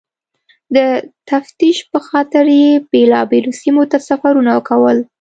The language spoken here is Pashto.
د تفتیش پخاطر یې بېلابېلو سیمو ته سفرونه کول.